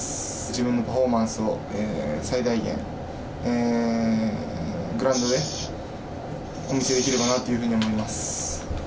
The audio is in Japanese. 自分のパフォーマンスを最大限、グラウンドでお見せできればなというふうに思います。